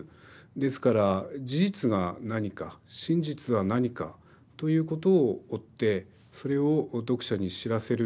ですから事実が何か真実は何かということを追ってそれを読者に知らせる。